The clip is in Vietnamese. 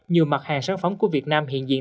nhiều mặt hàng sản phẩm của việt nam hiện diện